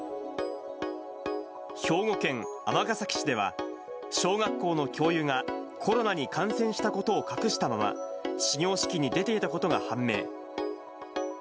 兵庫県尼崎市では、小学校の教諭がコロナに感染したことを隠したまま、始業式に出ていたことが判明。